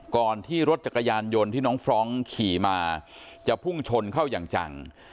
ก่อนที่รถจักรยานยนต์ที่น้องฟรองก์ขี่มาจะพุ่งชนเข้าอย่างจัง